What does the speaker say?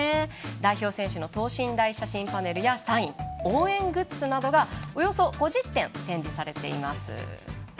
代表選手の等身大写真パネルやサイン応援グッズなどがおよそ５０点展示されています。